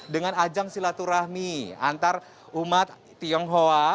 dengan ajang silaturahmi antar umat tionghoa